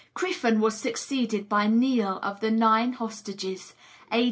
Criffan was succeeded by Niall of the Nine Hostages (A.